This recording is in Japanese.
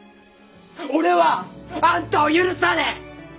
俺はあんたを許さねえ！